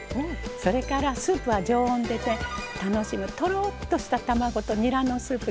それから、スープは常温で炊いて楽しむとろっとした卵とにらのスープ。